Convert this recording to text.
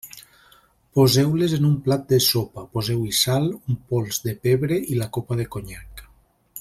Poseu-les en un plat de sopa, poseu-hi sal, un pols de pebre i la copa de conyac.